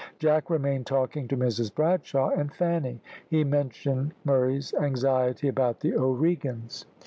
Jack remained talking to Mrs Bradshaw and Fanny. He mentioned Murray's anxiety about the O'Regans.